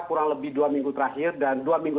kurang lebih dua minggu terakhir dan dua minggu